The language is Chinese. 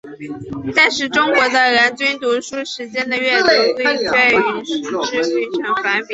但是中国的人均读书时间的阅读率却与识字率呈反比。